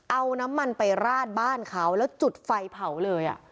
เอาน้ำมันไปราดบ้านเขาแล้วจุดไฟเผาเลย